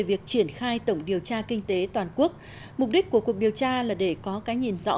việc triển khai tổng điều tra kinh tế toàn quốc mục đích của cuộc điều tra là để có cái nhìn rõ